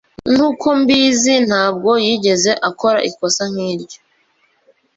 Nkuko mbizi, ntabwo yigeze akora ikosa nkiryo.